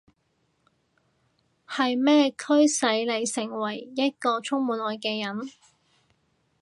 係咩驅使你成為一個充滿愛嘅人？